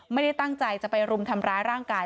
ไม่ได้ตั้งใจจะไปรุมทำร้ายร่างกาย